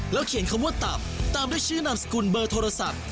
เขียนคำว่าตับตามด้วยชื่อนามสกุลเบอร์โทรศัพท์